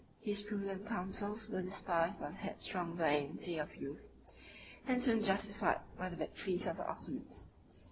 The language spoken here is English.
His prudent counsels were despised by the headstrong vanity of youth, and soon justified by the victories of the Ottomans.